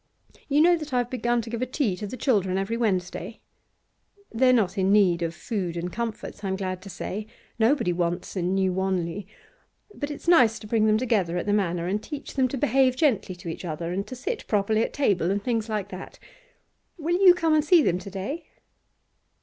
You know that I have begun to give a tea to the children every Wednesday? They're not in need of food and comforts, I'm glad to say; nobody wants in New Wanley; but it's nice to bring them together at the Manor, and teach them to behave gently to each other, and to sit properly at table, and things like that. Will you come and see them to day?